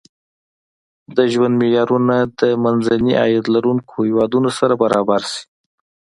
د ژوند معیارونه د منځني عاید لرونکو هېوادونو سره برابر شي.